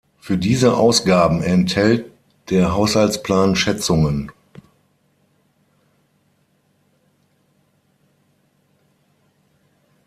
Für diese Ausgaben enthält der Haushaltsplan Schätzungen.